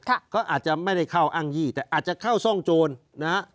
เขาอาจจะไม่ได้เข้าอ้างยี่แต่อาจจะเข้าซ่องโจรนะฮะ